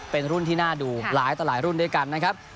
เป็นรุ่นที่น่าดูหลายต่อหลายรุ่นด้วยกันนะครับ